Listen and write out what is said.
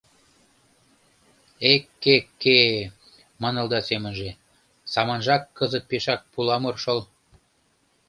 Э-ке-ке, — манылда семынже, — саманжак кызыт пешак пуламыр шол.